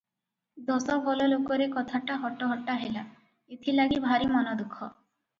ଦଶ ଭଲଲୋକରେ କଥାଟା ହଟହଟା ହେଲା, ଏଥିଲାଗି ଭାରି ମନ ଦୁଃଖ ।